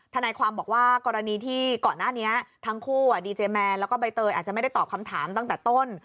ทนายความบอกว่ากรณีที่ก่อนหน้านี้ทั้งคู่ดีเจแมนแล้วก็ใบเตยอาจจะไม่ได้ตอบคำถามตั้งแต่ต้น